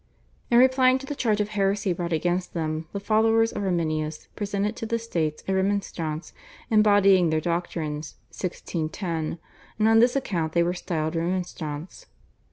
In replying to the charge of heresy brought against them the followers of Arminius presented to the States a Remonstrance embodying their doctrines (1610) and on this account they were styled Remonstrants.